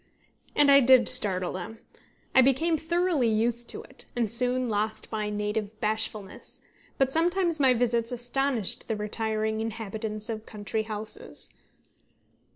And I did startle them. I became thoroughly used to it, and soon lost my native bashfulness; but sometimes my visits astonished the retiring inhabitants of country houses.